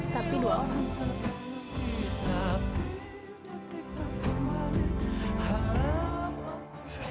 tapi dua orang